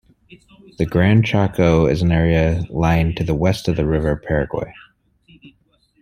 The Gran Chaco is an area lying to the west of the River Paraguay.